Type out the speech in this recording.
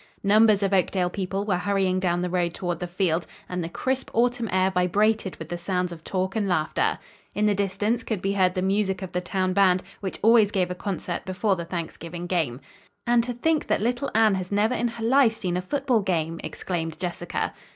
Numbers of Oakdale people were hurrying down the road toward the field, and the crisp autumn air vibrated with the sounds of talk and laughter. In the distance could be heard the music of the town band, which always gave a concert before the Thanksgiving game. "And to think that little Anne has never in her life seen a football game!" exclaimed Jessica.